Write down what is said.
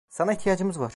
Sana ihtiyacımız var.